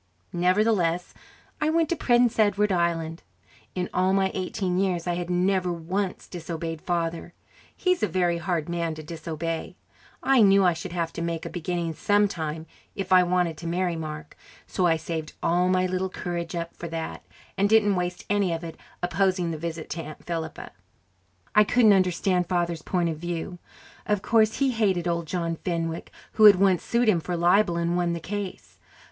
Nevertheless, I went to Prince Edward Island. In all my eighteen years I had never once disobeyed Father. He is a very hard man to disobey. I knew I should have to make a beginning some time if I wanted to marry Mark, so I saved all my little courage up for that and didn't waste any of it opposing the visit to Aunt Philippa. I couldn't understand Father's point of view. Of course, he hated old John Fenwick, who had once sued him for libel and won the case.